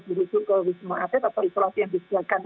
dihubung ke wisma ate atau isolasi yang disediakan